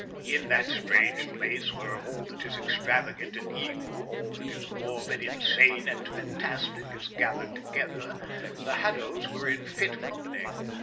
In that strange place, where all that is extravagant and evil, all that is morbid, insane, and fantastic, is gathered together, the Haddos were in fit company.